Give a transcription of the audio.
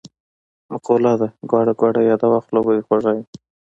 مقوله ده: ګوړه ګوړه یاده وه خوله به دی خوږه وي.